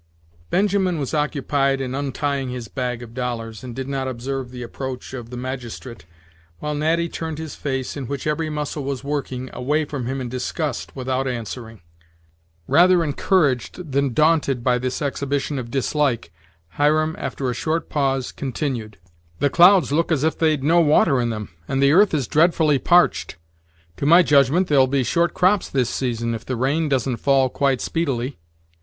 Benjamin was occupied in untying his bag of dollars, and did not observe the approach of the magistrate, while Natty turned his face, in which every muscle was working, away from him in disgust, without answering. Rather encouraged than daunted by this exhibition of dislike, Hiram, after a short pause, continued: "The clouds look as if they'd no water in them, and the earth is dreadfully parched. To my judgment, there'll be short crops this season, if the rain doesn't fail quite speedily."